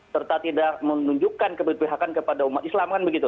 serta tidak menunjukkan keberpihakan kepada umat islam kan begitu